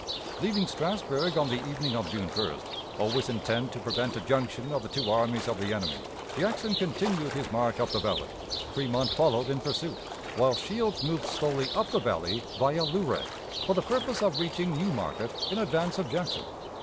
Leaving Strasburg on the evening of June 1st, always intent to prevent a junction of the two armies of the enemy, Jackson continued his march up the Valley. Fremont followed in pursuit, while Shields moved slowly up the Valley via Luray, for the purpose of reaching New Market in advance of Jackson.